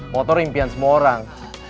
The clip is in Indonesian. motor impian semua orang